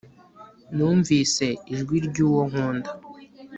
numvise ijwi ry'uwo nkunda